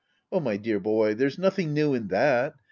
Oh, my dear boy, there's nothing new in that.